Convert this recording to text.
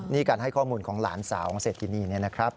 นี่การให้ข้อมูลของหลานสาวของเศรษฐินีเนี่ยนะครับ